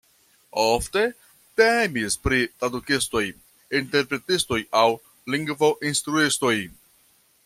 Ofte temis pri tradukistoj, interpretistoj aŭ lingvo-instruistoj.